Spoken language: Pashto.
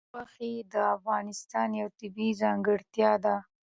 غوښې د افغانستان یوه طبیعي ځانګړتیا ده.